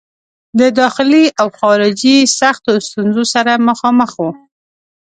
د داخلي او خارجي سختو ستونزو سره مخامخ وو.